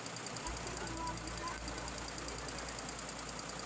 I've taken a lot of your slack for a month or two.